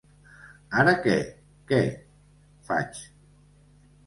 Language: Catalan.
Ara que què? —faig.